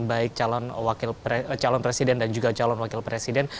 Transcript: baik calon presiden dan juga calon wakil presiden